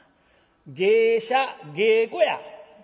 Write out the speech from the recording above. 芸者芸妓や」。